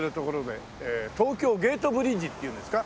東京ゲートブリッジっていうんですか？